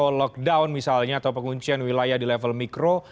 atau lockdown misalnya atau penguncian wilayah di level mikro